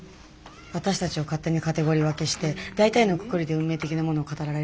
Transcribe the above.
私たちを勝手にカテゴリー分けして大体のくくりで運命的なものを語られるじゃん？